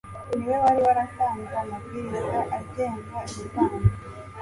Ni we wari waratanze amabwiriza agenga ibitambo.